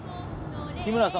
日村さん